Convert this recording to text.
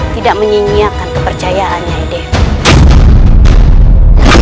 tidak menyingiakan kepercayaan nyai dewi